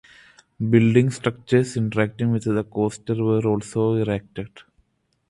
Building structures interacting with the coaster were also erected.